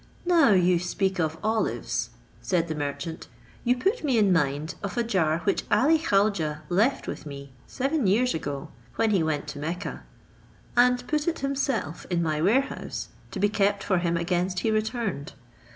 "Now you speak of olives," said the merchant, "you put me in mind of a jar which Ali Khaujeh left with me seven years ago, when he went to Mecca; and put it himself in my warehouse to be kept for him against he returned.